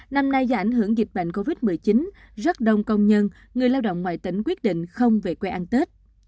năm nay do ảnh hưởng dịch bệnh covid một mươi chín rất đông công nhân người lao động ngoài tỉnh quyết định không về quê ăn tết